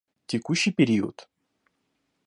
Текущий период